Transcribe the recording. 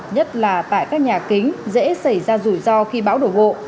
nhất là tại các nhà kính dễ xảy ra rủi ro khi bão đổ bộ